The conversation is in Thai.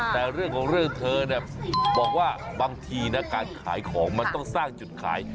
แต่เรื่องของเรื่องเธอเนี่ยบอกว่าบางทีนะการขายของมันต้องสร้างจุดขาย